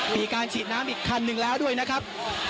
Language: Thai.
มีการฉีดน้ำอีกคันหนึ่งแล้วด้วยนะครับ